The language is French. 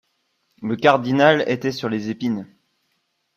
Le cardinal était sur les épines.